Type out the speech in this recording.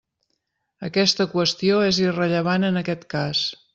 Aquesta qüestió és irrellevant en aquest cas.